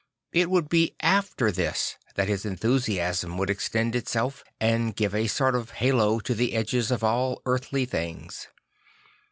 It would be alter this that his enthusiasm ,vould extend itself and give a sort of halo to the edges of all earthly things.